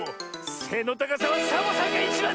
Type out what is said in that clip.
せのたかさはサボさんがいちばんだ！